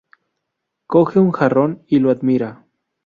Coge un jarrón y lo admira.